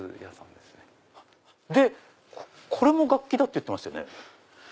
でこれも楽器だって言ってましたよね。